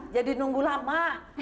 jadi nunggu lama